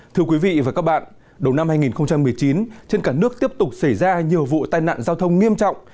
thưa quý vị và các bạn đầu năm hai nghìn một mươi chín trên cả nước tiếp tục xảy ra nhiều vụ tai nạn giao thông nghiêm trọng